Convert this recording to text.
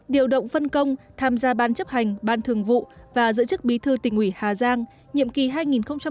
điều động phân công tham gia ban chấp hành ban thường vụ và dự trức bí thư tỉnh ủy hà giang nhiệm kỳ hai nghìn một mươi năm hai nghìn hai mươi